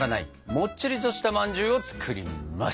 もっちりとしたまんじゅうを作ります。